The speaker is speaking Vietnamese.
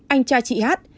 anh trai chị hát